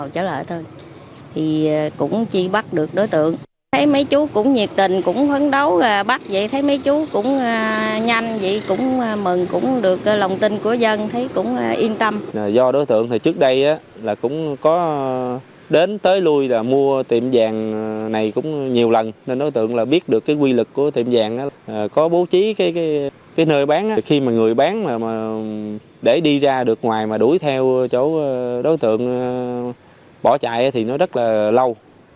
có bố trí cái nơi bán khi mà người bán mà để đi ra được ngoài mà đuổi theo chỗ đối tượng bỏ chạy thì nó rất là lâu